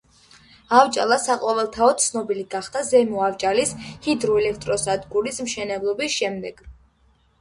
ავჭალა საყოველთაოდ ცნობილი გახდა ზემო ავჭალის ჰიდროელექტროსადგურის მშენებლობის შემდეგ.